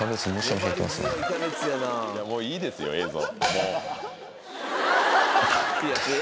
もういいですよ映像。